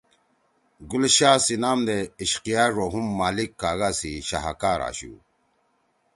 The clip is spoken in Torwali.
گل شاہ سی نام دے عشقیہ ڙو ہُم مالک کاگا سی شاہکار آشُو۔